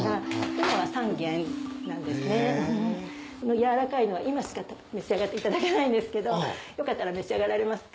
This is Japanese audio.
軟らかいのは今しか召し上がっていただけないんですけどよかったら召し上がられますか？